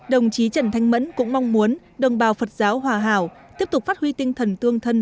đồng chí trần thanh mẫn cũng mong muốn đồng bào phật giáo hòa hảo tiếp tục phát huy tinh thần tương thân